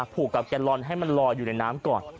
ผูกกับแกนลอนให้มันลอยอยู่ในน้ำก่อน